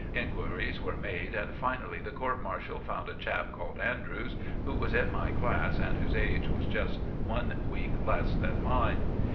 Inquiries were made and finally the court martial found a chap called Andrews, who was in my class and whose age was just one week less than mine.